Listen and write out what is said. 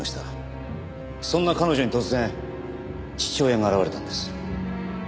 そんな彼女に突然父親が現れたんです。